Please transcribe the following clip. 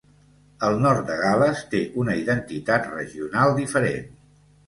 El nord de Gal·les té una identitat regional diferent.